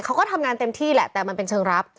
เขาก็ทำงานเต็มที่แหละแต่มันเป็นเชิงรับ